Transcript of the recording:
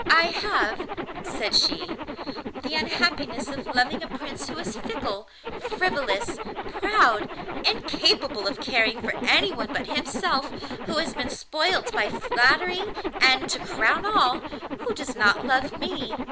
'I have,' said she, 'the unhappiness of loving a Prince who is fickle, frivolous, proud, incapable of caring for anyone but himself, who has been spoilt by flattery, and, to crown all, who does not love me.